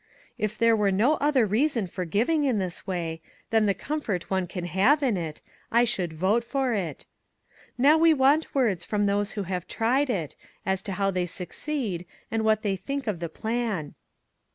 If there were no other rea son for giving in this way, than the comfort one can have in it, I should vote for it. Now we want words from those who have tried it, as to how they succeed, and what they think of the plan."